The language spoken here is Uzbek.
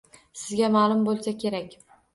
Sizga ma’lum bo‘lsa kerak